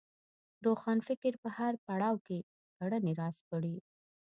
روښانفکر په هر پړاو کې کړنې راسپړي